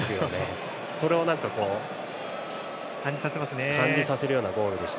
それを感じさせるようなゴールでした。